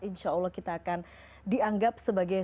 insya allah kita akan dianggap sebagai